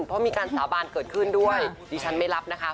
เพราะมีการสาบานเกิดขึ้นด้วยดิฉันไม่รับนะคะ